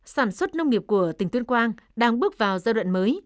sản xuất nông nghiệp của tỉnh tuyên quang đang bước vào giai đoạn mới